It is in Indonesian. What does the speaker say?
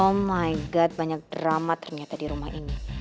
oh my god banyak drama ternyata di rumah ini